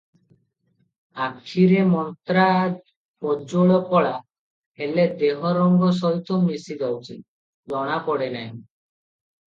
ଆଖିରେ ମନ୍ତ୍ରା କଜ୍ୱଳ କଳା, ହେଲେ ଦେହ ରଙ୍ଗ ସହିତ ମିଶି ଯାଇଛି, ଜଣା ପଡ଼େ ନାହିଁ ।